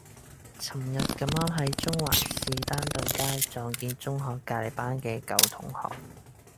噚日咁啱喺中環士丹頓街撞見中學隔離班嘅舊同學